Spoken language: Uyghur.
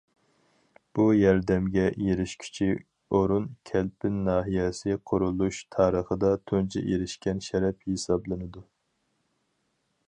بۇ ياردەمگە ئېرىشكۈچى ئورۇن كەلپىن ناھىيەسى قۇرۇلۇش تارىخىدا تۇنجى ئېرىشكەن شەرەپ ھېسابلىنىدۇ.